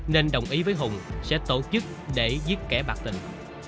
nên đồng ý với hùng sẽ tổ chức để giết kẻ bạc tình